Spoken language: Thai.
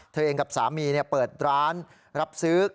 เธอเองกับสามีเปิดร้านรับซื้อ